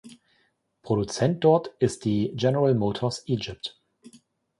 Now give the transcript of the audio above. Produzent dort ist die General Motors Egypt.